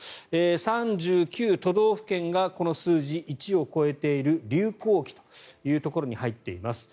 ３９都道府県がこの数字、１を超えている流行期というところに入っています。